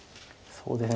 そうですね。